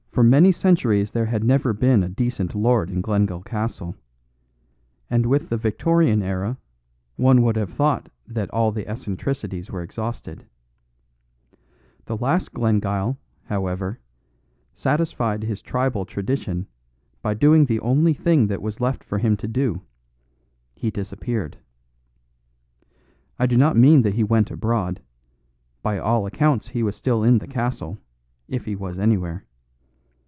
For many centuries there had never been a decent lord in Glengyle Castle; and with the Victorian era one would have thought that all eccentricities were exhausted. The last Glengyle, however, satisfied his tribal tradition by doing the only thing that was left for him to do; he disappeared. I do not mean that he went abroad; by all accounts he was still in the castle, if he was anywhere.